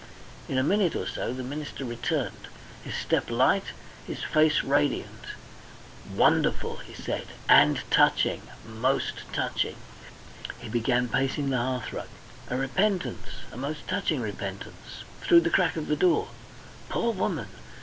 In a minute or so the minister returned, his step light, his face radiant. "Wonderful!" he said, "and touching! Most touching!" He began pacing the hearthrug. "A repentance a most touching repentance through the crack of the door. Poor woman!